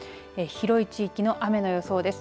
広い地域の雨の予想です。